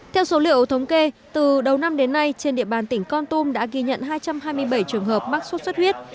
theo số liệu thống kê từ đầu năm đến nay trên địa bàn tỉnh con tum đã ghi nhận hai trăm hai mươi bảy trường hợp mắc sốt xuất huyết